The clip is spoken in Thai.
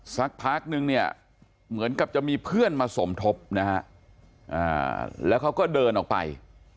สักพักนึงเนี่ยเหมือนกับจะมีเพื่อนมาสมทบนะฮะแล้วเขาก็เดินออกไป